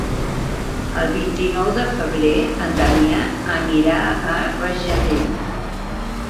El vint-i-nou de febrer en Damià anirà a Rajadell.